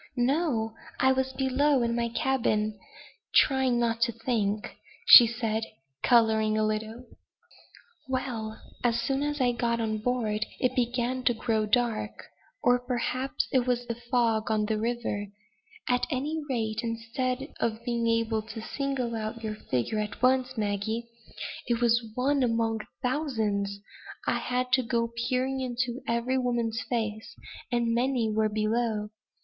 "No! I was below in my cabin trying not to think," said she, coloring a little. "Well! as soon as I got on board it began to grow dark, or, perhaps, it was the fog on the river; at any rate, instead of being able to single out your figure at once, Maggie it is one among a thousand I had to go peering into every woman's face; and many were below.